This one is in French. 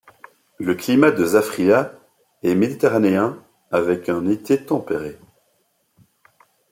Le climat de Zafrilla est méditerranéen avec un été tempéré.